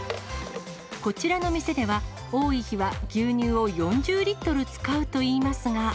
こちらの店では、多い日は牛乳を４０リットル使うといいますが。